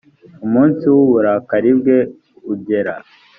umunsi w uburakari bwe ugera